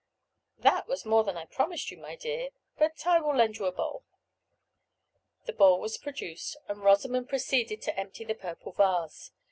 "That was more than I promised you, my dear; but I will lend you a bowl." The bowl was produced, and Rosamond proceeded to empty the purple vase.